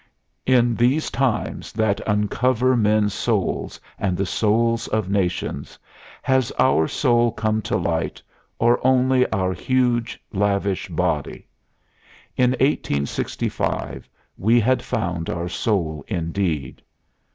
In these times that uncover men's souls and the souls of nations, has our soul come to light, or only our huge, lavish body? In 1865 we had found our soul indeed.